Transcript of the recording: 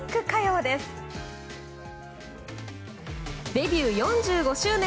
デビュー４５周年。